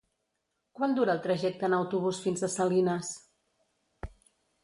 Quant dura el trajecte en autobús fins a Salines?